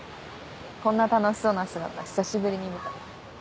こんな楽しそうな姿久しぶりに見た。